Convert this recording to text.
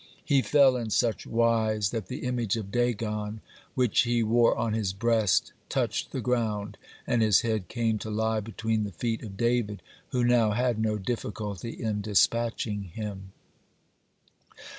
He fell in such wise that the image of Dagon which he wore on his breast touched the ground, and his head came to lie between the feet of David, who now had no difficulty in dispatching him.